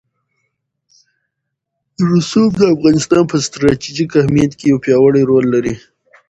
رسوب د افغانستان په ستراتیژیک اهمیت کې یو پیاوړی رول لري.